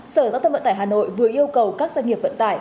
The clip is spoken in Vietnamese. sở giao thông vận tải hà nội vừa yêu cầu các doanh nghiệp vận tải